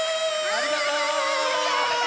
ありがとう！